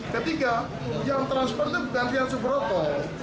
ketiga yang transfer itu bukan rian subroto